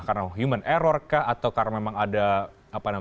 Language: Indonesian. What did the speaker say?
karena human error kah atau karena memang ada